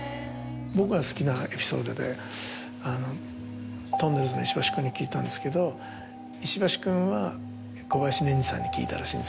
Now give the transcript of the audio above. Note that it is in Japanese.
僕が好きなエピソードでとんねるずの石橋君に聞いたんですけど石橋君は小林稔侍さんに聞いたらしいんですけど。